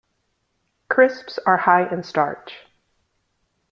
Crisps are high in starch.